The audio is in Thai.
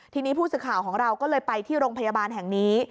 ทีนี้ผู้สื่อข่าวของเราก็เลยไปที่โรงพยาบาลแห่งนี้